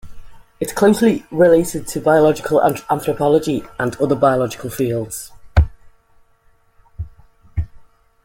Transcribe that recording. It is closely related to biological anthropology and other biological fields.